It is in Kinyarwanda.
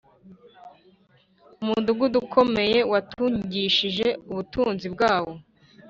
Umudugudu ukomeye watungishije ubutunzi bwawo